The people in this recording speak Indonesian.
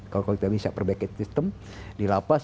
kalau kita bisa perbaiki sistem di lapas